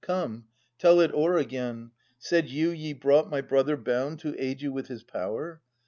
Come, tell it o'er again, — said you ye brought My brother bound to aid you with his power?